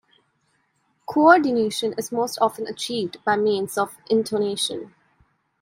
Coordination is most often achieved by means of intonation.